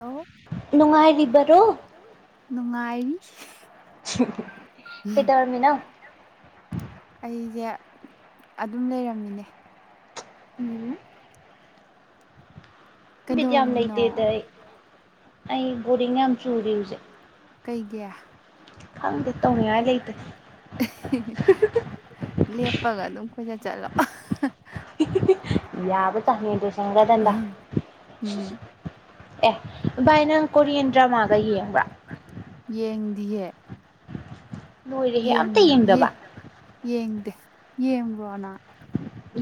ꯍꯂꯣꯅꯨꯡ ꯅꯨꯡꯉꯥꯏ ꯀꯗ ꯃꯔꯔꯃꯤꯅ ꯑꯗꯨꯝ ꯂꯩꯔꯝꯃꯤꯅꯦ ꯎꯝ [inaudible] ꯕꯤꯠ ꯌꯥꯝ ꯂꯩꯇꯦꯗ ꯑꯩ ꯑꯩ ꯕꯣꯔꯤꯡ ꯌꯥꯝ ꯆꯨꯔꯤ ꯍꯧꯖꯤꯛ ꯀꯩꯒꯤꯦ ꯊꯗ ꯇꯧꯅꯤꯌꯥ ꯂꯩꯇ ꯂꯦꯞꯄꯒ ꯑꯗꯨꯝ ꯀꯣꯏꯆꯠ ꯆꯠꯂꯣ ꯌꯥꯕ ꯇꯥꯅꯤꯗꯣ ꯁꯪꯒ꯭ꯔꯗꯦꯟꯗꯥ ꯑꯦ ꯌꯦꯡꯗꯤꯌꯦꯦ ꯌꯦꯡꯉ ꯌꯦꯡꯗꯦ ꯌꯦꯡꯕ꯭ꯔꯣꯅ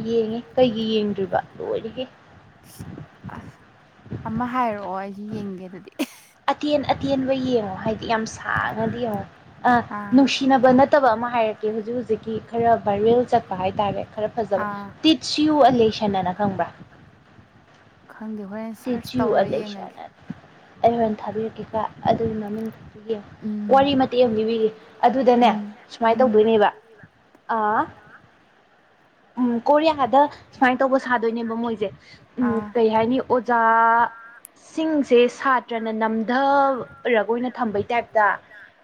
ꯌꯦꯡꯉꯦ ꯀꯩꯒꯤ ꯌꯦꯡꯗ꯭ꯔꯤꯕ ꯂꯣꯏꯔꯤꯒꯦ ꯑꯃ ꯍꯥꯏꯔꯛꯑꯣ ꯑꯩꯁꯨ ꯌꯦꯡꯒꯦ ꯑꯗꯨꯗꯤ ꯑꯇꯦꯟ ꯑꯇꯦꯟꯕ ꯌꯦꯡꯉꯣ ꯍꯥꯏꯗꯤ ꯌꯥꯝ ꯁꯥꯡꯅꯗꯤ ꯌꯦꯡꯉꯣ ꯅꯨꯡꯁꯤꯅꯕ ꯅꯠꯇꯕ ꯑꯃ ꯍꯥꯏꯔ ꯈꯔ ꯚ ꯆꯠꯄ ꯍꯥꯏꯔꯦ ꯈ ꯐ ꯈ ꯊꯪꯕ [unintelligible] [inaudible] ꯆꯨ ꯑꯩꯁ ꯑꯩ ꯍꯣꯔꯣꯟ ꯊꯥꯕꯤꯔꯛꯀꯦꯀ ꯑꯗꯨꯒꯤ ꯃꯃꯤꯡ ꯌꯦꯡꯉ ꯋꯥꯔꯤ ꯃꯇꯦꯛ ꯑꯃ ꯂꯤꯕꯤꯔꯤ ꯑꯗꯨꯗꯅꯦ ꯎꯝ ꯁꯨꯃꯥꯏꯅ ꯇꯧꯗꯣꯏꯅꯦꯕ ꯑ [unintelligible] [inaudible] [unintelligible] [inaudible] ꯎꯝ ꯀꯣꯔꯤꯌꯥꯗ ꯁꯨꯃꯥꯏꯅ ꯇꯧꯕ ꯁꯥꯗꯣꯏꯅꯦꯕ ꯃꯣꯏꯁꯦ ꯎꯝ ꯀꯩ ꯍꯥꯏꯅꯤ ꯑꯣꯖꯥ ꯁꯤꯡꯁꯦ ꯁꯥꯇ꯭ꯔꯅ ꯅꯝꯊꯔꯒ ꯑꯣꯏꯅ ꯊꯝꯕꯩ ꯇꯥꯏꯞꯇ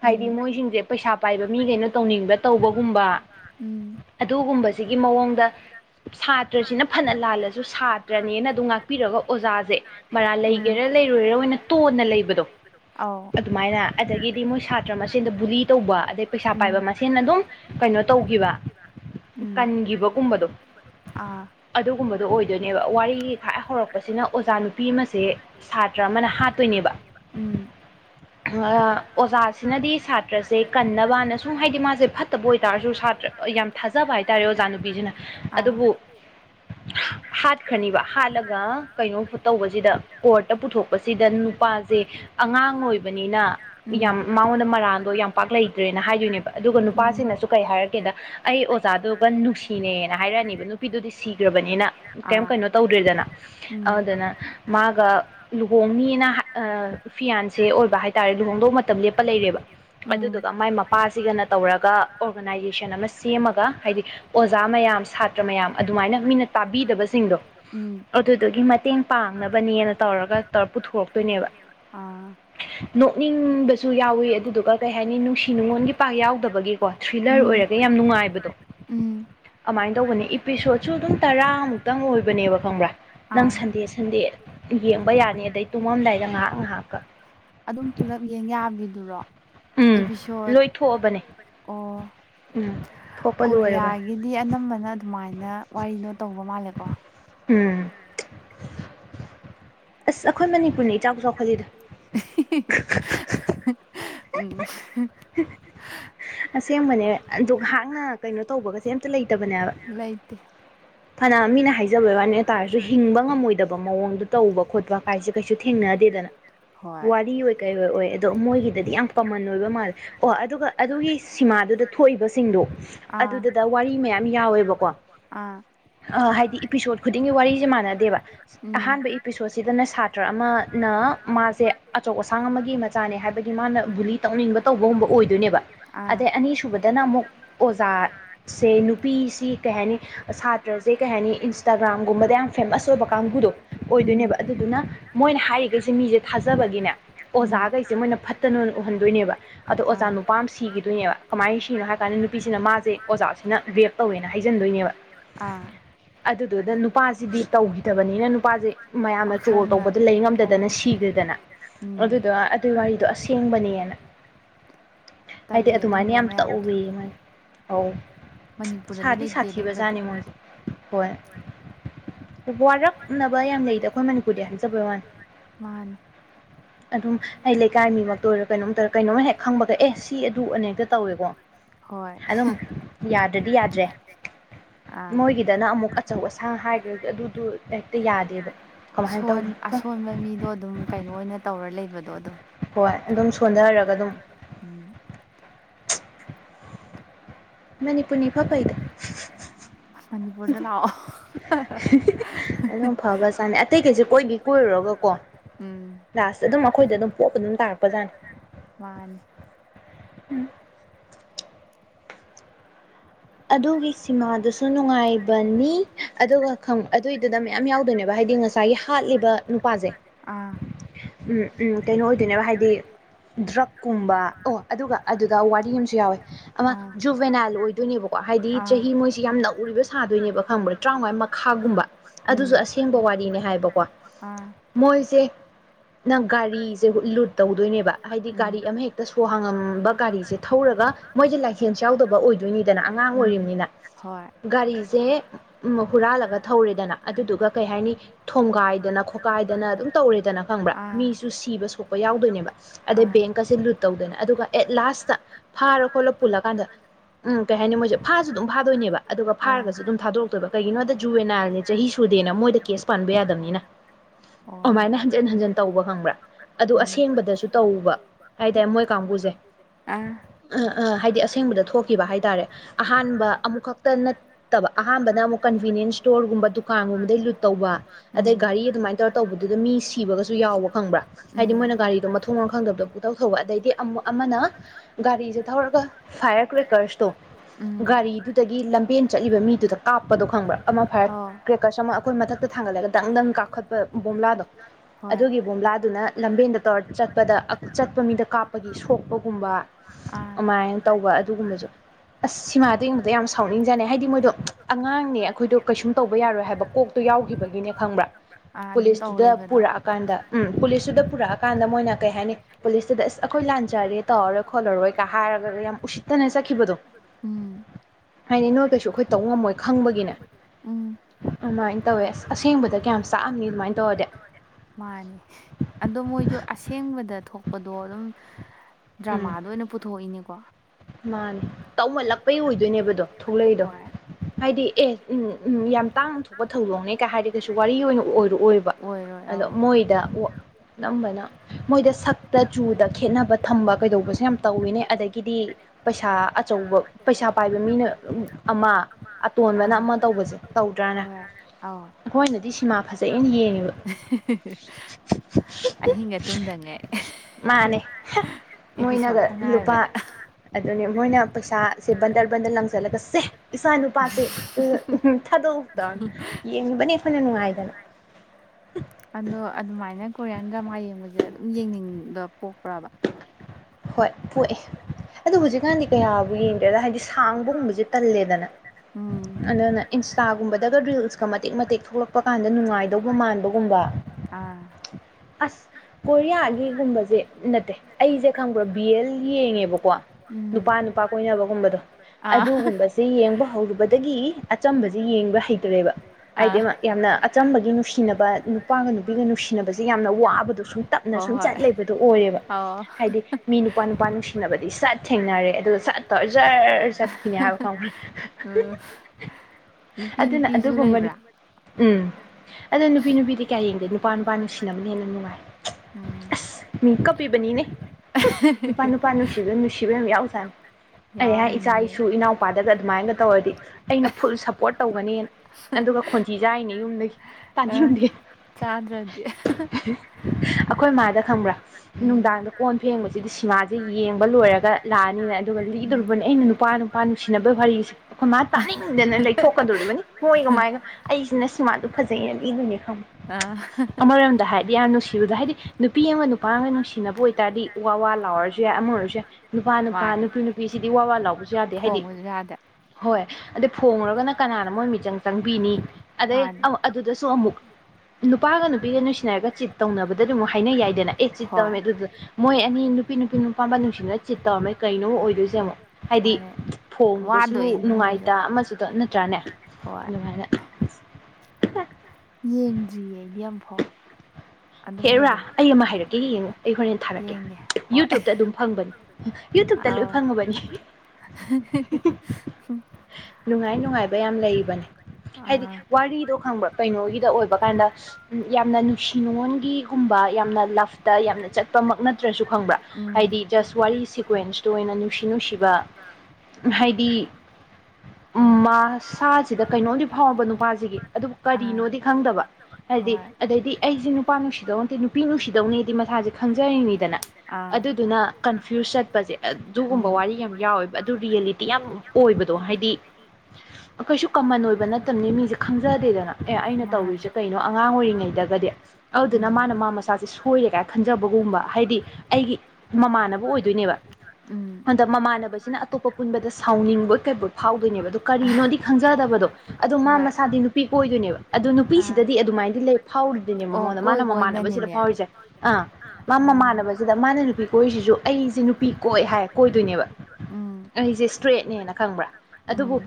ꯍꯥꯏꯗꯤ ꯃꯣꯏꯁꯤꯡꯁꯦ ꯄꯩꯁꯥ ꯄꯥꯏꯕ ꯃꯤ ꯀꯩꯅꯣ ꯇꯧꯅꯤꯡꯕ꯭ꯔ ꯇꯧꯕꯒꯨꯝꯕ ꯑꯗꯨꯒꯨꯝꯕꯁꯤꯒꯤ ꯑꯟꯑꯣꯗꯤꯕꯜ ꯁꯥꯇ꯭ꯔꯁꯤꯅ ꯐꯅ ꯂꯥꯜꯂꯁꯨ ꯁꯥꯇ꯭ꯔꯅꯦꯅ ꯑꯗꯨ ꯉꯥꯛꯄꯤꯔꯒ ꯑꯣꯖꯥꯁꯦ ꯃꯔꯥꯜ ꯂꯩꯒꯦꯔ ꯂꯩꯔꯣꯏ ꯇ ꯂꯩꯕꯗꯣ ꯑꯗꯨꯃꯥꯏꯅ ꯑꯗꯤ ꯃꯣꯏ ꯁꯥꯇ꯭ꯔ ꯃꯁꯦꯟꯗ ꯕꯨ ꯇ ꯇꯧꯕ ꯑꯗꯩ ꯄꯩꯁꯥ ꯄꯥꯏꯕ ꯃꯁꯅ ꯑꯗꯨꯝ ꯀꯩꯅꯣ ꯇꯧ ꯎꯝ ꯑ ꯑꯗꯨꯒꯨꯝꯕꯗꯣ ꯑꯣꯏꯗꯣꯏꯅꯦꯕ ꯋꯥꯔꯤ ꯈꯥꯏ ꯍꯧꯔꯛꯄꯁꯤꯅ ꯑꯣꯖꯥ ꯅꯨꯄꯤ ꯑꯃꯁꯦ ꯁꯥꯇ꯭ꯔ ꯑꯃꯅ ꯍꯥꯠꯇꯣꯏ ꯕ ꯎꯝ ꯑꯣꯖꯥꯁꯤꯅꯗꯤ ꯁꯥꯇ꯭ꯔꯁꯦ ꯀꯟꯅꯕꯅ ꯁꯨꯝ ꯍꯥꯏꯗꯤ ꯃꯥꯁꯦ ꯐꯠꯇꯕ ꯑꯣꯏꯇꯥꯥꯔꯁꯨ ꯁꯥꯇ꯭ꯔ ꯌꯥꯝ ꯊꯥꯖꯕ ꯍꯥꯏꯇꯥꯥꯔꯦ ꯑꯣꯖꯥꯅꯨꯄꯤꯁꯤꯅ ꯑꯗꯨꯕꯨ ꯍꯥꯠꯈ꯭ꯔꯅꯤꯕ ꯍꯥꯠꯂꯒ ꯀꯩꯅꯣ ꯇꯧꯕꯁꯤꯗ ꯀꯣꯔꯠꯇ ꯄꯨꯊꯣꯛꯄꯁꯤꯗ ꯅꯨꯄꯥꯁꯦ ꯑꯉꯥꯡ ꯑꯣꯏꯕꯅꯤꯅ ꯌꯥꯝ ꯃꯉꯣꯟꯗ ꯃꯔꯥꯟꯗꯣ ꯌꯥꯝ ꯄꯥꯛ ꯂꯩꯇ꯭ꯔꯦꯅ ꯍꯥꯏꯗꯣꯏꯅꯦꯕ ꯑꯗꯨꯒ ꯅꯨꯄꯥꯁꯤꯅꯁꯨ ꯀꯩ ꯍꯥꯏꯔꯛꯀꯦꯗ ꯑꯩ ꯑꯣꯖꯥꯗꯨꯒ ꯁꯤꯅꯦꯅ ꯍꯥꯏꯔꯛꯑꯅꯦꯕ ꯅꯨꯄꯤꯗꯨꯗꯤ ꯁꯤꯈ꯭ꯔꯕꯅꯤꯅ ꯀꯔꯤꯝ ꯀꯩꯅꯣ ꯇꯧꯗ꯭ꯔꯦꯗꯅ ꯑꯗꯨꯗꯅ ꯃꯥꯒ ꯂꯨꯍꯣꯡꯉꯅ ꯐꯤꯌꯥꯟꯁꯦ ꯑꯣꯏꯕ ꯍꯥꯏꯇꯥꯔꯦ ꯂꯨꯍꯣꯡꯗꯧꯕ ꯃꯇꯝ ꯂꯦꯞꯄ ꯂꯩꯔꯦꯕ ꯑꯗꯨꯗꯨꯒ ꯃꯥꯏ ꯃꯄꯥꯁꯤꯒꯅ ꯇꯧꯔꯒ ꯑꯣꯔꯒꯅꯥꯏꯖꯦꯁꯟ ꯑꯃ ꯁꯦꯝꯃꯒ ꯍꯥꯏꯗꯤ ꯑꯣꯖꯥ ꯃꯌꯥꯝ ꯁꯥꯇ꯭ꯔ ꯃꯌꯥꯝ ꯑꯗꯨꯃꯥꯏꯅ ꯃꯤꯅ ꯇꯥꯕꯤꯗꯕꯁꯤꯡꯗꯣ ꯑꯗꯨꯗꯨꯒꯤ ꯃꯇꯦꯡ ꯄꯥꯡꯝꯅꯕꯅꯦꯅ ꯇꯧꯔꯒ ꯑ ꯄꯨꯊꯣꯛꯇꯣꯏꯅꯦꯕ ꯅꯣꯛꯅꯤꯡꯕꯁꯨ ꯌꯥꯎꯋꯤ ꯑꯗꯨꯗꯨꯒ ꯀꯩ ꯍꯥꯏꯅꯤ ꯅꯨꯡꯁꯤ ꯅꯨꯡꯉꯣꯟꯒꯤ ꯄꯥꯛ ꯌꯥꯎꯗꯕꯒꯤꯀꯣ ꯊ꯭ꯔꯤꯂꯔ ꯑꯣꯏ ꯑꯣꯏꯔꯒ ꯌꯥꯝ ꯅꯨꯡꯉꯥꯏꯕꯗꯣ ꯎꯝ ꯀꯃꯥꯏꯅ ꯇꯧꯕꯅꯦ ꯏꯄꯤꯁꯣꯠꯁꯨ ꯑꯗꯨ ꯇꯔꯥꯃꯨꯛꯇꯪ ꯂꯕꯅꯦꯕ ꯈꯪꯥꯟ ꯌꯥ ꯑꯗꯨꯝ ꯄꯨꯂꯞ ꯌꯦꯡ ꯌꯥ ꯎꯝ ꯂꯣꯏꯊꯣꯛꯑꯕꯅꯦ ꯎꯝ ꯀꯣꯔꯤꯌꯥꯒꯤꯗꯤ ꯑꯅꯝꯕꯅ ꯑꯗꯨꯃꯥꯏꯅ ꯋꯥꯔꯤꯗꯣ ꯇꯧꯕ ꯃꯥꯜꯂꯦꯀꯣ ꯎꯝ ꯑꯟꯏꯟꯇꯦꯜꯂꯤꯖꯦꯕꯜ ꯎꯝ ꯑꯁꯦꯡꯕꯅꯦ ꯑꯗꯨ ꯍꯅ ꯀꯩꯅꯣ ꯇꯧꯕꯒꯁꯦ ꯑꯝꯇ ꯂꯩ ꯏꯥꯏꯇ ꯐꯅ ꯃꯤꯅ ꯍꯥꯏꯖꯕꯩ ꯋꯥꯅꯤ ꯍꯤꯡ ꯉꯝꯃꯣꯏꯗ ꯈꯠꯩꯅꯗꯦꯗꯅ ꯍ ꯀꯣꯏ ꯀꯩ ꯍꯣꯏ ꯑꯣꯏ ꯑꯗꯣ ꯃꯣꯏꯒꯤꯗꯗꯤ ꯌꯥꯝ ꯀꯃꯟ ꯑꯣꯏꯕ ꯃꯥꯜꯂꯦ ꯑꯣ ꯑꯗꯨꯒ ꯑꯗꯨꯒꯤ ꯁꯤꯃꯥꯗꯨꯗ ꯊꯣꯛꯏꯕꯁꯤꯡꯗꯣ ꯑꯗꯨꯗꯨꯗ ꯋꯥꯔꯤ ꯃꯌꯥꯝ ꯌꯥꯎꯋꯦꯕꯀꯣ ꯑꯟꯑꯣꯗꯤꯕꯜ ꯍꯥꯏꯗꯤ ꯏꯄꯤꯁꯣꯠ ꯈꯨꯗꯤꯡꯒꯤ ꯋꯥꯔꯤꯁꯦ ꯃꯥꯟꯅꯗꯦꯕ ꯑꯍꯥꯟꯕ ꯏꯄꯤꯁꯣꯠꯁꯤꯗꯅ ꯁꯥꯇ꯭ꯔ ꯑꯃꯅ ꯃꯥꯁꯦ ꯑꯆꯧ ꯑꯁꯥꯡ ꯑꯃꯒꯤ ꯃꯆꯥꯅꯦ ꯍꯥꯏꯕꯒꯤ ꯃꯥꯅ ꯕꯨꯂꯤ ꯇꯧꯅꯤꯡꯕ ꯇꯧꯕꯒꯨꯝꯕ ꯑꯣꯏꯗꯣꯏꯅꯦꯕ ꯑꯗꯩ ꯑꯅꯤꯁꯨꯕꯗꯅ ꯑꯃꯨꯛ ꯑꯣꯖꯥꯁꯦ ꯅꯨꯄꯤꯁꯤ ꯀꯩ ꯍꯥꯏꯅꯤ ꯁꯥꯇ꯭ꯔꯁꯦ ꯀꯩ ꯍꯥꯏꯅꯤ ꯏꯟꯁꯇꯥꯒ꯭ꯔꯥꯝꯒꯨꯝꯕꯗ ꯌꯥꯝ ꯐꯦꯃꯁ ꯑꯣꯏꯕ ꯀꯥꯡꯕꯨꯗꯣ ꯑꯣꯏꯗꯣꯏꯅꯦꯕ ꯑꯗꯨꯗꯨꯅ ꯃꯣꯏ ꯃꯣꯏꯅ ꯍꯥꯏꯔꯤꯈꯩꯁꯦ ꯃꯤꯁꯦ ꯊꯥꯖꯕꯒꯤꯅꯦ ꯑꯣꯖꯥꯈꯩꯁꯦ ꯃꯣꯏꯅ ꯐꯠꯇꯅ ꯎꯍꯟꯗꯣꯏꯅꯦꯕ ꯑꯗꯣ ꯑꯣꯖꯥ ꯅꯨꯄꯥ ꯅꯨꯄꯥꯝ ꯁꯤꯈꯤꯗꯣꯏꯅꯦꯕ ꯀꯃꯥꯏꯅ ꯁꯤꯅꯣ ꯍꯥꯏ ꯀꯥꯟꯗ ꯅꯨꯄꯤꯁꯤꯅ ꯃꯥꯁꯦ ꯑꯣꯖꯥꯁꯤꯅ ꯔꯦꯞ ꯇꯧꯋꯦꯅ ꯍꯥꯏꯖꯟꯗꯣꯏꯅꯦꯕ ꯑꯗꯨꯗꯨꯗ ꯅꯨꯄꯥꯁꯤꯗꯤ ꯇꯧꯈꯤꯗꯕꯅꯤꯅ ꯅꯨꯄꯥꯁꯦ ꯃꯌꯥꯝꯅ ꯇ꯭ꯔꯣꯜ ꯇꯧꯕꯗꯣ ꯂꯩ ꯉꯝꯗꯗꯅ ꯁꯤꯈ꯭ꯔꯦꯗꯅ ꯑꯗꯨ ꯑꯗ ꯑꯗꯨꯒꯤ ꯋꯥꯔꯤꯗꯣ ꯑꯁꯦꯡꯕꯅꯦꯅ ꯍꯥꯏꯗꯤ ꯑꯗꯨꯃꯥꯏꯅ ꯌꯥꯝ ꯇꯧꯋꯤ ꯑꯧ ꯃꯅꯤꯄꯨꯔꯗꯗꯤ ꯂꯩꯇꯦ ꯑꯗꯨꯝ ꯌꯥꯅꯤ ꯃꯣꯏ ꯍꯣꯏ ꯋꯥꯔꯛꯅꯕ ꯌꯥꯝ ꯂꯩꯗ ꯑꯩꯈꯣꯏ ꯃꯅꯤꯄꯨꯔꯗꯤ ꯍꯥꯏꯖꯕ ꯋꯥꯅꯤ ꯑꯟꯑꯣꯗꯤꯕꯜ ꯑꯗꯨꯝ ꯑꯩ ꯂꯩꯀꯥꯏ ꯃꯤꯃꯛꯇ ꯑꯣꯏꯔꯣ ꯀꯩꯅꯣꯝ ꯇꯧꯔ ꯀꯩꯅꯣꯝ ꯍꯦꯛ ꯈꯪꯕꯒ ꯑꯦ ꯁꯤ ꯑꯗꯨ ꯑꯅ ꯍꯦꯛꯇ ꯇꯧꯋꯦꯀꯣ ꯑꯗꯨꯝ ꯌꯥꯗ꯭ꯔꯗꯤ ꯌꯥꯗ꯭ꯔꯦ꯫ ꯃꯣꯏꯒꯤꯗꯅ ꯑꯃꯨꯛ ꯑꯆꯧ ꯑꯁꯥꯡ ꯍꯥꯏꯈ꯭ꯔꯒ ꯑꯗꯨꯗꯨ ꯍꯦꯛꯇ ꯌꯥꯗꯦꯕ ꯀꯃꯥꯏꯅ ꯇ ꯑꯁꯣꯟꯕ ꯃꯤꯗꯣ ꯑꯗꯨꯝ ꯀꯩꯅꯣ ꯑꯣꯏꯅ ꯇꯧꯔ ꯂꯩꯕꯗꯣ ꯑꯗꯨꯝ ꯍ ꯑꯗꯨꯝ ꯁꯣꯟꯊꯔꯒ ꯑꯗꯨꯝ ꯃꯅꯤꯄꯨꯔꯅꯤ ꯐ ꯐꯩꯗ ꯃꯅꯤꯄꯨꯔꯗ ꯂꯑꯣ ꯑꯗꯨꯝ ꯐꯕ ꯆꯥꯅꯩ ꯑꯇꯩ ꯀꯩꯁꯨ ꯀꯣꯏꯕꯤ ꯀꯣꯏꯔꯨꯔꯒꯀꯣ ꯂꯥꯁꯇ ꯑꯗꯨꯝ ꯑꯩꯈꯣꯏꯗ ꯑꯗꯨꯝ ꯄꯣꯛꯄ ꯑꯗꯨꯝ ꯇꯥꯄꯖꯅ ꯃꯥꯅꯦ ꯎꯝ ꯑꯗꯨꯒꯤ ꯁꯤꯃꯥꯗꯨꯁꯨ ꯅꯨꯡꯉꯥꯏꯕꯅꯤ ꯑꯗꯨꯒ ꯑꯗꯨꯏꯗꯨꯗ ꯃꯌꯥꯝ ꯌꯥꯎꯗꯣꯏꯅꯦꯕ ꯍꯥꯏꯗꯤ ꯉꯁꯥꯏꯒꯤ ꯍꯥꯠꯂꯤꯕ ꯅꯨꯄꯥꯁꯦ ꯎꯝ ꯎꯝ ꯀꯩꯅꯣ ꯑꯣꯏꯗꯣꯏꯅꯦꯕ ꯍꯥꯏꯗꯤ ꯗ꯭ꯔꯛꯀꯨꯝꯕ ꯑꯣ ꯑꯗꯨꯒ ꯑꯗꯨ ꯋꯥꯔꯤ ꯑꯃꯁꯨ ꯌꯥꯎꯋꯦ ꯑꯃ ꯖꯨꯚꯦꯅꯥꯏꯜ ꯑꯣꯏꯗꯣꯏꯅꯦꯕꯀꯣ ꯍꯥꯏ ꯍꯥꯏꯕꯗꯤ ꯆꯍꯤ ꯃꯣꯏꯁꯤ ꯌꯥꯝ ꯅꯧ ꯎꯔꯤꯕ ꯁꯥꯗꯣꯏꯅꯦꯕ ꯈꯪꯕ꯭ꯔꯥ ꯇꯔꯥꯃꯉꯥ ꯃꯈꯥꯒꯨꯝꯕ ꯑꯗꯨꯁꯨ ꯑꯁꯦꯡꯕ ꯋꯥꯔꯤꯅꯦ ꯍꯥꯏꯕꯀꯣ ꯃꯣꯏꯁꯦ ꯅꯪ ꯒꯥꯔꯤꯁꯦ ꯂꯨꯠ ꯇꯧꯗꯣꯏꯅꯦꯕ ꯍꯥꯏꯗꯤ ꯒꯥꯔꯤ ꯑꯃ ꯍꯦꯛꯇ ꯁꯣ ꯍꯥꯡꯉꯝꯕ ꯒꯥꯔꯤꯁꯦ ꯊꯧꯔ ꯃꯣꯏꯁꯦ ꯂꯥꯏꯁꯦꯟꯁ ꯌꯥꯎꯗꯕ ꯑꯣꯏꯗꯣꯏꯅꯤꯗꯅ ꯑꯉꯥꯡ ꯑꯣꯏꯝꯅꯤꯅ꯫ ꯒꯥꯔꯤꯁꯦ ꯍꯨꯔꯥꯜꯂꯒ ꯊꯧꯔꯦꯗꯅ ꯑꯗꯨꯗꯨꯒ ꯀꯩ ꯍꯥꯏꯅꯤ ꯊꯣꯡꯒꯥꯏꯗꯅ꯫ ꯈꯣꯠꯀꯥꯏꯗꯅ ꯑꯗꯨꯝ ꯇꯧꯔꯦꯗꯅ ꯈꯪꯕ꯭ꯔ ꯃꯤꯁꯨ ꯁꯤꯕ ꯁꯣꯛꯄ ꯌꯥꯎꯗꯣꯏꯅꯦ ꯑꯗꯩ ꯕꯦꯡꯀꯁ ꯑꯥꯗꯒꯥ ꯑꯦꯠꯂꯥꯠ ꯄꯥꯔꯗꯣꯠꯂꯥ ꯄꯨꯂꯥꯀꯟꯗꯥ ꯑꯝ ꯀꯥꯔꯤꯍꯥꯅꯤ ꯁꯦ ꯐꯥꯁꯨ ꯑꯗꯨꯝ ꯐꯥꯗꯣꯏꯅꯦꯕ ꯑꯗꯨꯒ ꯐꯥꯔꯒꯁꯨꯝ ꯊꯥꯗꯣꯔꯛꯇꯣꯏꯕ ꯀꯩꯒꯤꯅꯣꯗ ꯖꯨ ꯑꯦꯟ ꯑꯥꯏꯜꯅꯦ ꯆꯍꯤ ꯁꯨꯗꯦꯅ ꯃꯣꯏꯗ ꯀꯦꯁ꯫ ꯌꯥ ꯑꯣ ꯑꯗꯨꯃꯅ ꯍꯟ ꯍꯟ ꯇ [inaudible] ꯑꯨꯝ ꯑꯗꯨ ꯑꯁꯦꯡꯕꯗꯁꯨ ꯇꯧꯕ ꯀꯇꯥꯔꯦ ꯃꯣꯏ ꯀꯥꯡꯕꯨꯁꯦ ꯑꯥ ꯑꯥ ꯍꯥꯏꯗꯤ ꯑꯁꯦꯡꯕꯗ ꯊꯣꯛꯈꯤꯕ ꯍꯥꯏꯇꯥꯔꯦ ꯑꯍꯥꯟꯕ ꯑꯃꯨꯛ ꯈꯛꯇ ꯅꯠꯇꯕ ꯑꯍꯥꯟꯕꯅ ꯑꯃꯨꯛ ꯀꯟꯚꯤꯅꯟꯁ ꯁ꯭ꯇꯣꯔꯒꯨꯝꯕ ꯗꯨꯀꯥꯟꯒꯨꯝꯕꯗꯩ ꯂꯨꯠ ꯇꯧꯕ ꯑꯗꯩ ꯒꯥꯔꯤ ꯑꯗꯨꯃꯅ ꯇꯔ ꯇꯧꯕꯗꯨ ꯃꯤ ꯁꯤꯕꯒꯁꯨ ꯌꯥꯎꯕ ꯈꯪꯕ꯭ꯔꯥ ꯍꯥꯏꯗꯤ ꯃꯣꯏꯅ ꯒꯥꯔꯤꯗꯣ ꯃꯊꯣꯡ ꯑꯃ ꯈꯗꯕ ꯕꯨ ꯇꯧꯊꯧꯕ ꯑꯗꯩꯗꯤ ꯑꯃꯨꯛ ꯑꯃꯅ ꯒꯥꯔꯤꯁꯦ ꯊꯧꯔꯒ ꯐꯥꯏꯌꯔ ꯀ꯭ꯋꯦꯀꯔꯁꯇꯣ ꯒꯥꯔꯤꯗꯨꯗꯒꯤ ꯂꯝꯕꯦꯟ ꯆꯠꯂꯤꯕ ꯃꯤꯗꯨꯗ ꯀꯥꯞꯄꯗꯣ ꯈꯪꯕ꯭ꯔꯥ ꯑꯃ ꯐꯥꯏꯌꯔ ꯀ꯭ꯔꯦꯀꯔꯁ ꯑꯃ ꯑꯩꯈꯣꯏ ꯃꯊꯛꯇ ꯊꯥꯡꯒꯠꯂ ꯒꯇꯪꯗꯪ ꯀꯥꯞꯈꯠꯄ ꯕꯣꯝꯂꯥꯗꯣ ꯑꯗꯨꯒꯤ ꯕꯣꯝꯂꯥꯗꯨꯅ ꯂꯝꯕꯦꯟꯗ ꯇꯧꯔ ꯆꯠꯄꯗ ꯆꯠꯄ ꯃꯤꯗ ꯀꯥꯞꯄꯒꯤ ꯁꯣꯛꯄꯒꯨꯝꯕ ꯑꯗꯨꯃꯥꯏꯅ ꯇꯧꯕ ꯑꯗꯨꯒꯨꯝꯕꯁꯨ ꯁꯤꯃꯥꯗ ꯌꯦꯡꯕꯗ ꯌꯥꯝ ꯁꯥꯎꯅꯤꯡꯖꯥꯅꯤ ꯍꯥꯏꯗꯤ ꯃꯣꯏꯗꯣ ꯑꯉꯥꯡꯅꯦ ꯑꯩꯈꯣꯏꯗꯣ ꯀꯩꯁꯨꯝ ꯇꯧꯕ ꯌꯥꯔꯣꯏ ꯍꯥꯏꯕ ꯀꯣꯛꯇꯣ ꯌꯥꯎꯈꯤ ꯍꯥꯏ ꯄꯨꯂꯤꯁꯇꯨꯗ ꯑꯁ ꯑꯩꯈꯣꯏ ꯂꯥꯟꯖꯔꯦ ꯇꯧꯔꯔꯣꯏ ꯈꯣꯠꯂꯔꯣꯏꯒ ꯍꯥꯏꯔꯒ ꯌꯥꯝ ꯎꯁꯤꯠꯇꯅ ꯆꯠꯈꯤꯕꯗꯣ ꯎꯝ ꯍꯩ ꯏꯅꯥꯎꯗꯁꯨ ꯑꯩꯈꯣꯏ ꯇꯧꯕ ꯉꯝꯃꯣꯏꯕ ꯍꯪꯕꯒꯤꯅꯦ ꯎꯝ ꯃꯥꯅꯦ ꯑꯣ ꯃꯣꯏ ꯑꯩꯗꯣ ꯑꯁꯦꯡꯕꯗ ꯊꯣꯛꯄꯗꯣ ꯑꯗꯨꯝ ꯗ꯭ꯔꯃꯥꯗ ꯑꯣꯏꯅ ꯄꯨꯊꯣꯛꯏꯅꯦꯀꯣ ꯃꯥꯅꯦ ꯇꯧꯃꯜꯂꯛꯄꯩ ꯑꯣꯏꯗꯣꯏꯅꯦꯕꯗꯣ ꯊꯣꯛꯂꯛꯏꯗꯣ ꯍꯥꯏꯗꯤ ꯑꯦ ꯎꯝ ꯎꯝ ꯌꯥꯝ ꯇꯥꯡꯅ ꯊꯣꯛꯄ ꯊꯧꯗꯣꯛꯅꯦ ꯀꯥꯏ ꯍꯥꯏꯗꯤ ꯀꯩꯁꯨ ꯋꯥꯔꯤ ꯑꯣꯏꯅ ꯑꯣꯏꯔꯛꯑꯣꯕ ꯑꯗꯣ ꯃꯣꯏꯗ ꯑꯅꯝꯕꯅ ꯃꯣꯏꯗ ꯁꯛꯇ ꯆꯨꯗ ꯈꯦꯠꯅꯕ ꯊꯝꯕ ꯀꯩꯗꯧꯕꯁꯦ ꯁ ꯌꯥꯝ ꯇꯧꯋꯤꯅꯦ ꯑꯗꯒꯤꯗꯤ ꯄꯩꯁꯥ ꯑꯆꯧꯕ ꯄꯩꯁꯥ ꯄꯥꯏꯕ ꯃꯤꯅ ꯑꯃ ꯑꯇꯣꯟꯕꯅ ꯑꯃ ꯇꯧꯕꯁꯦ ꯇꯧꯗ꯭ꯔꯦ ꯑꯩꯈꯣꯏꯅꯗꯤ ꯁꯤꯃꯥ ꯐꯖꯩꯅ ꯌꯦꯡꯉꯦꯕ ꯑꯍꯤꯡꯒ ꯇꯨꯝꯗꯉꯩ ꯃꯥꯅꯦ ꯃꯣꯏꯅꯒ ꯂꯨꯄꯥ ꯃꯣꯏꯅ ꯄꯩꯁꯥꯁꯦ ꯕꯟꯗꯔ ꯕꯟꯗꯔ ꯂꯪꯁꯤꯜꯂꯒ ꯁꯦ ꯏꯆꯥ ꯅꯨꯄꯥꯁꯦ ꯊꯥꯗꯣꯛꯎ ꯇꯧ ꯌꯦꯡꯅꯤꯡꯕꯅꯤ ꯑꯩꯈꯣꯏꯅ ꯅꯨꯡꯉꯥꯏꯗꯅ [unintelligible] ꯑꯗꯣ ꯑꯗꯨꯃꯥꯏꯅ ꯀꯣꯔꯤꯌꯥꯟ ꯗ꯭ꯔꯃꯥ ꯌꯦꯡꯕꯁꯦ ꯑꯗꯨꯝ ꯌꯦꯡꯅꯤꯡꯕ ꯄꯣꯛꯄ꯭ꯔꯕ꯫ ꯍꯣꯏ ꯄꯣꯛꯑꯦ ꯑꯗꯣ ꯍꯧꯖꯤꯛꯀꯥꯟꯗꯤ ꯀꯌꯥꯕꯨ ꯌꯦꯡꯗꯦꯗ ꯍꯥꯏꯗꯤ ꯁꯥꯡꯕꯒꯨꯝꯕꯁꯦ ꯇꯜꯂꯦꯗꯅ ꯑꯗꯨꯅ ꯏꯟꯁꯇꯥꯒꯨꯝꯕꯗꯒ ꯔꯤꯜꯁꯀ ꯃꯇꯦꯛ ꯃꯇꯦꯛ ꯊꯣꯛꯂꯛꯄ ꯀꯥꯟꯗ ꯅꯨꯡꯉꯥꯏꯗꯧꯕ ꯃꯥꯟꯕꯒꯨꯝꯕ ꯑꯁ ꯀꯣꯔꯤꯌꯥꯒꯤꯒꯨꯝꯕꯁꯦ ꯅꯠꯇꯦ ꯑꯩꯁꯦ ꯈꯪꯕ ꯕꯤꯜ ꯌꯦꯡꯉꯦꯕꯀꯣ ꯅꯨꯄꯥ ꯅꯨꯄꯥ ꯀꯣꯏꯅꯕꯒꯨꯝꯕꯗꯣ ꯑꯗꯨꯒꯨꯝꯕꯁꯦ ꯌꯦꯡꯕ ꯍꯧꯔꯨꯕꯗꯒꯤ ꯑꯆꯝꯕꯁ ꯌꯦꯡꯕ ꯍꯩꯇꯔꯦꯕ ꯍꯥꯏꯗꯤ ꯑꯃ ꯌꯥꯝꯅ ꯑꯆꯝꯕꯒꯤ ꯅꯨꯡꯁꯤꯅꯕ ꯅꯨꯄꯥꯒ ꯅꯨꯄꯤꯒ ꯅꯨꯡꯁꯤꯅꯕꯁꯦ ꯌꯥꯝꯅ ꯋꯥꯕꯗꯣ ꯁꯨꯝ ꯇꯞꯅ ꯁꯨꯝ ꯆꯠ ꯂꯩꯕꯗꯣ ꯑꯣꯏꯔ ꯑꯣ ꯍꯥꯏꯗꯤ ꯃꯤꯅꯤ ꯅꯨꯄꯥ ꯅꯨꯄꯥ ꯅꯨꯡꯁꯤꯅꯕꯗꯤ ꯁꯠ ꯊꯦꯡꯅꯔꯦ ꯑꯗꯨꯒ ꯆꯠꯇ ꯇꯧꯔ ꯖꯔ ꯆꯠꯈꯤꯅꯦ ꯍꯥꯏꯕ ꯈꯪꯈ꯭ꯔꯦ ꯅꯨꯄꯤ ꯅꯨꯄꯤꯁꯨ ꯂꯩꯕ꯭ꯔꯥ ꯎꯝ ꯑꯗꯣ ꯅꯨꯄꯤ ꯅꯨꯄꯤꯗꯤ ꯀꯌꯥ ꯌꯦꯡꯗꯦ ꯅꯨꯄꯥ ꯅꯨꯄꯥ ꯅꯨꯡꯁꯤꯅꯕꯅ ꯍꯦꯟꯅ ꯅꯨꯡꯉꯥꯏ ꯑꯁ ꯃꯤ ꯀꯄꯤꯕꯅꯤꯅꯦ ꯅꯨꯄꯥ ꯅꯨꯄꯥ ꯅꯨꯡꯁꯤꯕ ꯅꯨꯡꯁꯤꯕ ꯑꯃ ꯌꯥꯎꯖꯥꯅꯤ ꯑꯩ ꯍꯥꯏ ꯏꯆꯥ ꯏꯁꯨ ꯏꯅꯥꯎꯄꯥꯗꯒ ꯑꯗꯨꯃꯥꯏꯅꯒ ꯇꯧꯔꯗꯤ ꯑꯩꯅ ꯐꯨꯜ ꯁꯞꯄꯣꯔꯠ ꯇꯧꯒꯅꯤꯅ ꯑꯗꯨꯒ ꯈꯣꯟꯊꯤꯖꯥꯔꯤꯅꯦ ꯌꯨꯝꯗꯒꯤ ꯇꯥꯟꯗꯤꯔꯨꯝꯗꯦ ꯑꯩꯈꯣꯏ ꯃꯥꯗ ꯈꯪꯕ꯭ꯔꯥ ꯅꯨꯡꯗꯥꯡꯗ ꯀꯣꯟ ꯐꯦꯡꯕꯁꯤꯗꯤ ꯁꯤꯃꯥ ꯌꯦꯡꯕ ꯂꯣꯏꯔꯒ ꯂꯥꯛꯑꯅꯤꯅ ꯑꯗꯨꯒ ꯂꯤꯗꯧꯨꯕꯅꯤ ꯑꯩꯅ ꯅꯨꯄꯥ ꯅꯨꯄꯥ ꯅꯨꯡꯁꯤꯅꯕꯒꯤ ꯋꯥꯔꯤꯁꯦ ꯑꯩꯈꯣꯏ ꯃꯥ ꯇꯥ ꯍꯅꯤꯡꯗꯅ ꯂꯩꯊꯣꯛꯀꯗꯣꯔꯤꯕꯅꯤ ꯃꯣꯏꯒ ꯃꯥꯏꯒ ꯑꯩꯁꯤꯅ ꯁꯤꯃꯥꯗꯨ ꯐꯖꯩꯅ ꯏꯗꯨꯅꯦ ꯈꯪꯕ ꯑꯃꯔꯣꯝꯗ ꯍꯥꯏꯕꯗꯤ ꯌꯥꯝ ꯅꯨꯡꯁꯤꯕꯗ ꯍꯥꯏꯗꯤ ꯅꯨꯄꯤ ꯑꯃꯒ ꯅꯨꯄꯥ ꯑꯃꯒ ꯅꯨꯡꯁꯤꯅꯕ ꯑꯣꯏꯇꯥꯥꯔꯗꯤ ꯋꯥ ꯋꯥ ꯂꯥꯛ ꯥꯎꯔꯁꯨ ꯌꯥꯏ ꯑꯃ ꯑꯣꯏꯔꯁꯨ ꯌꯥꯏ ꯅꯨꯄꯥ ꯅꯨꯄꯥ ꯅꯨꯄꯤ ꯅꯨꯄꯤ ꯁꯤꯗꯤ ꯋꯥ ꯋꯥ ꯂꯥꯎꯕꯁꯨ ꯌꯥꯗꯦ ꯍꯥꯏꯗꯤ ꯍꯣꯏ ꯑꯗꯩ ꯐꯣꯡꯡꯂꯨꯔꯒꯅ ꯀꯅꯥꯅ ꯃꯣꯏ ꯃꯤꯆꯪ ꯆꯪꯕꯤꯅꯤ ꯑꯗꯩ ꯑꯗꯨꯗꯁꯨ ꯑꯃꯨꯛ ꯅꯨꯄꯥꯒ ꯅꯨꯄꯤꯒ ꯅꯣꯏꯁꯤꯟꯅꯔꯒ ꯆꯤꯠ ꯇꯧꯅꯕꯗꯗꯤ ꯑꯃꯨꯛ ꯍꯥꯏꯅ ꯌꯥꯏꯗꯅ ꯑꯦ ꯆꯤꯠ ꯇꯧꯔꯃꯦ ꯑꯗꯨꯗ ꯃꯣꯏ ꯑꯅꯤ ꯅꯨꯄꯤ ꯅꯨꯄꯤ ꯅꯨꯄꯥꯝꯕ ꯅꯨꯡꯁꯤꯠꯅ ꯆꯤꯠ ꯇꯧꯔꯝꯃꯦ ꯀꯩꯅꯣ ꯑꯣꯏꯗꯣꯏꯁꯦ ꯑꯃꯨꯣ ꯍꯥꯏꯗꯤ ꯊꯣꯡꯕꯁꯨ ꯅꯨꯡꯉꯥꯏꯇ ꯑꯃꯁꯨꯗ ꯅꯠꯇ꯭ꯔꯥꯅꯦ ꯑꯗꯨꯃꯥꯏꯅ ꯌꯦꯡꯗ꯭ꯔꯤꯌꯦ ꯑꯩꯗꯤ ꯌꯥꯝ ꯐꯥꯎ ꯍꯦꯔꯥ ꯑꯩ ꯑꯃ ꯍꯥꯏꯔꯛꯀꯦ ꯌꯦꯡꯉꯣ ꯑꯩ ꯍꯣꯔꯦꯟ ꯊꯥꯔꯛꯀꯦ ꯌꯨꯇꯨꯕꯇ ꯑꯗꯨꯝ ꯐꯪꯕꯅꯤ ꯌꯨꯇꯕꯇ ꯂꯣꯏ ꯐꯪꯉꯨꯕꯅꯤ ꯅꯨꯡꯉꯥꯏ ꯅꯨꯡꯉꯥꯏꯕ ꯌꯥꯝ ꯂꯩꯕꯅꯦ ꯍꯥꯏꯗꯤ ꯋꯥꯔꯤꯗꯣ ꯈꯪꯕ ꯀꯩꯅꯣꯒꯤꯗ ꯑꯣꯏꯕ ꯀꯥꯟꯗ ꯌꯥꯝꯅ ꯅꯨꯡꯁꯤꯅꯨꯡꯉꯣꯟ ꯒꯨꯝꯕ ꯌꯥꯝꯅ ꯂꯞꯇ ꯌꯥꯝꯅ ꯆꯠꯄꯃꯛ ꯅꯠꯇ꯭ꯔꯁꯨ ꯈꯪꯕ꯭ꯔꯥ ꯍꯥꯏꯗꯤ ꯖꯁ ꯋꯥꯔꯤ ꯁꯤꯀ꯭ꯋꯦꯟꯁ ꯇꯣꯏꯅ ꯅꯨꯡꯁꯤ ꯅꯨꯡꯁꯤꯕ ꯍꯥꯏꯗꯤ ꯎ ꯃꯥ ꯁꯥꯁꯤꯗ ꯀꯩꯅꯣꯝꯗꯤ ꯐꯥꯎꯔꯕ ꯅꯨꯄꯥꯁꯤꯒꯤ ꯑꯗꯨ ꯀꯔꯤꯅꯣꯗꯤ ꯈꯪꯗꯕ ꯍꯥꯏꯗꯤ ꯑꯗꯩꯗꯤ ꯑꯩꯁꯤ ꯅꯨꯄꯥ ꯅꯨꯡꯁꯤꯗꯧ ꯅꯠꯇꯦ ꯅꯨꯄꯤ ꯅꯨꯡꯁꯤꯗꯧꯅꯦꯗꯤ ꯃꯊꯥꯁꯦ ꯈꯪꯖꯔꯤꯅꯤꯗꯅ ꯑꯗꯨꯗꯨꯅ ꯀꯟꯐ꯭ꯌꯨꯁ ꯆꯠꯄꯁꯦ ꯑꯗꯨꯒꯨꯝꯕ ꯋꯥꯔꯤ ꯌꯥꯝ ꯌꯥꯎꯋꯦꯕ ꯑꯗꯨ ꯔꯤꯌꯦꯂꯤꯇꯤ ꯌꯥꯝ ꯑꯣꯏꯕꯗꯣ ꯍꯥꯏꯗꯤ ꯑꯩꯈꯣꯏꯁꯨ ꯀꯃꯟ ꯑꯣꯏꯕ ꯅꯠꯇꯕꯅꯤ ꯃꯤꯁꯦ ꯈꯪꯖꯗꯦꯗꯅ ꯑꯦ ꯑꯩꯅ ꯇꯧꯔꯤꯁꯦ ꯀꯩꯅꯣ ꯑꯉꯥꯡ ꯑꯣꯏꯔꯤꯉꯩꯗꯒꯗꯤ ꯑꯗꯨꯗꯨꯅ ꯃꯥꯅ ꯃꯥ ꯃꯆꯥꯁꯤꯦ ꯁꯣꯏꯔꯦ ꯀꯥꯏꯅ ꯈꯟꯖꯕꯒꯨꯝꯕ ꯍꯥꯏꯗꯤ ꯑꯩꯒꯤ ꯃꯃꯥꯟꯅꯕ ꯑꯣꯏꯗꯣꯏꯅꯦꯕ ꯑꯗ ꯃꯃꯥꯟꯅꯕꯁꯤꯅ ꯑꯇꯣꯞꯄ ꯄꯨꯟꯕꯗ ꯁꯥꯎꯅꯤꯡꯕ ꯀꯩꯕ ꯐꯥꯎꯗꯣꯏꯅꯦꯕ ꯑꯣ ꯀꯔꯤꯅꯣꯗꯤ ꯈꯪꯖꯗꯕꯗꯣ ꯑꯗꯣ ꯃꯥ ꯃꯁꯥꯗꯤ ꯅꯨꯄꯤ ꯑꯣꯏꯗꯣꯏꯅꯦꯕ ꯑꯣ ꯅꯨꯄꯤꯁꯤꯗꯗꯤ ꯑꯗꯨꯃꯥꯏꯅꯗꯤ ꯂꯩ ꯐꯥꯎꯔꯤꯗꯣꯏꯅꯦꯕ ꯃꯣꯏ ꯃꯥꯅ ꯃꯃꯥꯟꯅꯕꯁꯤꯗ ꯐꯥꯎꯔꯤꯁꯦ ꯑ ꯃꯥ ꯃꯃꯥꯟꯅꯕꯁꯤꯗ ꯃꯥꯅ ꯅꯨꯄꯤ ꯀꯣꯏꯔꯤꯁꯤꯁꯨ ꯑꯩꯁꯦ ꯅꯨꯄꯤ ꯀꯣꯏ ꯍꯥꯏ ꯀꯣꯏꯗꯣꯏꯅꯦꯕ ꯑꯩꯁꯦ ꯏꯁꯇ꯭ꯔꯦꯠꯅꯦꯅ ꯈꯪꯕ꯭ꯔꯥ ꯑꯗꯨꯕꯨ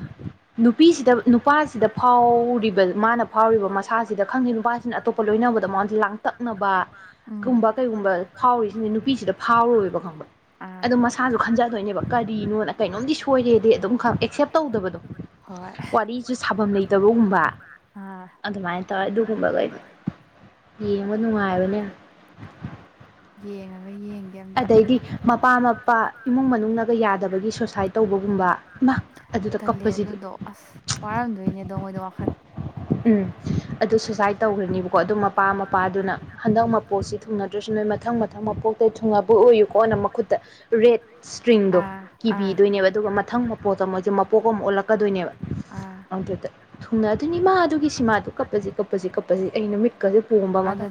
ꯅꯨꯄꯤꯁꯤꯗ ꯅꯨꯄꯥꯁꯤꯗ ꯐꯥꯎꯔꯤꯕ ꯃꯥꯅ ꯐꯥꯎꯔꯤꯕ ꯃꯥꯁꯤꯗ ꯈꯪꯒꯤ ꯋꯥꯅꯤꯅ ꯑꯗꯨꯒ ꯂꯣꯏ ꯂꯥꯡꯇꯛꯅꯕ ꯎꯝ ꯀꯨꯝꯕ ꯀꯩꯒꯨꯝꯕꯋ ꯅꯨ ꯐꯥꯎꯕꯀꯣ ꯑꯗꯨ ꯃꯁꯥꯁꯨ ꯈꯟꯖꯕꯅꯦ ꯩꯅꯣꯐꯝꯇ ꯊꯝꯕ ꯑꯗꯨꯃꯥꯏꯅ ꯇꯧꯋꯦ ꯑꯗꯨꯒꯨꯝꯕꯒꯩꯩꯅ ꯌꯦꯡꯕ ꯅꯨꯡꯉꯥꯏꯕꯅꯦ ꯍꯣꯏ ꯌꯦꯡꯒꯦ ꯑꯝꯇ ꯑꯗꯒꯤ ꯃꯄꯥ ꯃꯄꯥ ꯏꯃꯨꯡ ꯃꯅꯨꯡꯒ ꯌꯥꯗꯕꯒꯤ ꯁꯨꯁꯥꯏꯠ ꯇꯧꯕꯒꯨꯝꯕ ꯇꯜꯂ ꯑꯗꯨꯗꯣ ꯑꯁ ꯋꯥꯔꯝꯗꯣꯏꯅꯦ ꯑꯗꯣ ꯃꯣꯏꯗꯣ ꯋꯥꯈꯜ ꯎꯝ ꯑꯗꯨ ꯁꯨꯁꯥꯏꯠ ꯇꯧꯈ꯭ꯔꯅꯦꯕꯀꯣ ꯑꯗꯨ ꯃꯄꯥ ꯃꯄꯥꯗꯨꯅ ꯍꯟꯗꯛ ꯃꯄꯣꯠꯁꯤ ꯊꯨꯡꯅꯗ꯭ꯔꯁꯨ ꯃꯊꯪ ꯃꯊꯪ ꯃꯄꯣꯛꯇ ꯊꯨꯡꯅꯕ ꯑꯣꯏꯌꯨꯀꯣꯅ ꯃꯈꯨꯠꯇ ꯔꯦꯠ ꯏꯁ꯭ꯇ꯭ꯔꯤꯡꯗꯣ ꯀꯤꯕꯤꯗꯣꯏꯅꯦꯕ ꯑꯗꯨꯒ ꯃꯊꯪ ꯃꯄꯣꯛꯇ ꯃꯣꯏꯖꯦ ꯃꯄꯣꯛ ꯑꯃ ꯑꯣꯜꯂꯛꯀꯗꯣꯏꯅꯦꯕ ꯑꯗꯨꯗ ꯊꯨꯡꯅꯗꯣꯏꯅꯤ ꯏꯃꯥ ꯑꯗꯨꯒꯤ ꯁꯤꯃꯥꯗꯨ ꯀꯞꯄꯁꯤ ꯀꯞꯄꯁꯤ ꯀꯞꯄꯁꯤ ꯑꯩꯅ ꯃꯤꯠꯀꯁꯦ ꯄꯣꯝꯕ ꯃꯈꯩ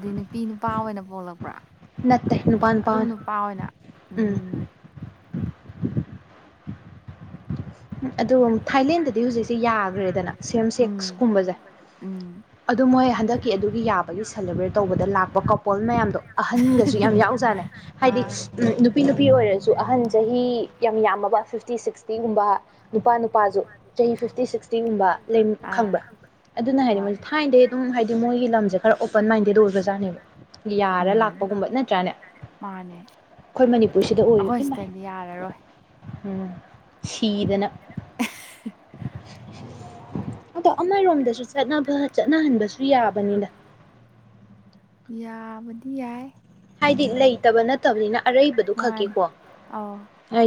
ꯅꯠꯇꯦ ꯅꯨꯄꯥ ꯅꯨ ꯑꯗꯨꯝ ꯅꯨꯄꯥ ꯑꯣꯏꯅ ꯎꯝ [inaudible] ꯑꯗꯣ ꯊꯥꯏꯂꯦꯟꯗꯗꯤ ꯍꯧꯖꯤꯛꯁꯦ ꯌꯥꯈ꯭ꯔꯦꯗꯅ ꯁꯦꯝꯁꯦꯛꯁ ꯀꯨꯝꯕꯁꯦ ꯑꯗꯨ ꯃꯣꯏ ꯍꯟꯗꯛꯀꯤ ꯑꯗꯨꯒꯤ ꯌꯥꯕꯒꯤ ꯁꯦꯂꯦꯕ꯭ꯔꯦꯠ ꯇꯧꯕꯗ ꯂꯥꯛꯄ ꯀꫭꯄꯣꯜ ꯃꯌꯥꯝꯗꯣ ꯑꯍꯟꯒꯁꯨ ꯌꯥꯝ ꯌꯥꯎꯖꯠ ꯑꯅꯦ ꯍꯥꯏꯗꯤ ꯅꯨꯄꯤ ꯅꯨꯄꯤ ꯑꯣꯏꯔꯁꯨ ꯑꯍꯟ ꯆꯍꯤ ꯌꯥꯝ ꯌꯥꯝꯃꯕ ꯐꯤꯐꯇꯤ ꯁꯤꯛꯁꯇꯤꯒꯨꯝꯕ ꯅꯨꯄꯥ ꯅꯨꯄꯥ ꯅꯨꯄꯥꯁꯨ ꯆꯍꯤ ꯐꯤꯐꯇꯤ ꯁꯤꯛꯁꯇꯤꯒꯨꯝꯕ ꯂꯩꯝ ꯈꯪꯕ꯭ꯔꯥ ꯑꯗꯨꯅ ꯍꯥꯏꯗꯤ ꯃꯣꯏꯁꯦ ꯊꯥꯏꯅꯗꯩ ꯑꯗꯨꯝ ꯍꯥꯏꯗꯤ ꯃꯣꯏꯒꯤ ꯂꯝꯁꯦ ꯈꯔ ꯑꯣꯄꯟ ꯃꯥꯏꯟꯗꯦꯗ ꯑꯣꯏꯕꯖꯥꯠꯅꯦꯕ ꯌꯥꯔ ꯂꯥꯛꯄꯒꯨꯝꯕ ꯅꯠꯇ꯭ꯔꯥꯅꯦ ꯃꯥꯅꯦ ꯑꯩꯈꯣꯏ ꯁꯤꯗꯗꯤ ꯌꯥꯔꯔꯣꯏ ꯎꯝ ꯁꯤꯗꯅ ꯑꯃꯔꯣꯝꯗꯁꯨ ꯆꯠꯅꯕ ꯆꯠꯅꯍꯟꯕꯁꯨ ꯌꯥꯕꯅꯤꯗ ꯌꯥꯕꯗꯤ ꯌꯥꯏ ꯍꯥꯏꯗꯤ ꯂꯩꯇꯕ ꯅꯠꯇꯕꯅꯤꯅ ꯑꯔꯩꯕꯗꯨ ꯈꯛꯀꯤꯀꯣ ꯍꯥꯏ